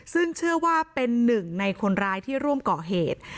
ซึ่งเชื่อว่าเป็นหนึ่งในคนร้ายที่ร่วมก่อเหตุ